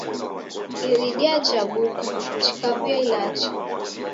Iridia jhabuka jikaw'uya ilacha.